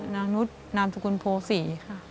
นางนุษย์นามสุกุลโภ๔ค่ะ